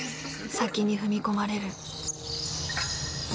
先に踏み込まれる。